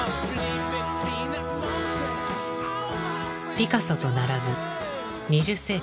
ピカソと並ぶ２０世紀